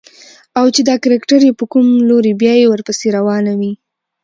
او چې دا کرکټر يې په کوم لوري بيايي ورپسې روانه وي.